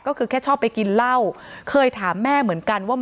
ก็คือแค่ชอบไปกินเหล้าเคยถามแม่เหมือนกันว่า